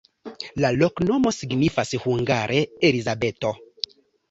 La loknomo signifas hungare: Elizabeto.